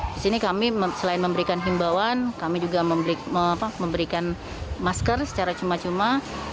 di sini kami selain memberikan himbawan kami juga memberikan masker secara cuma cuma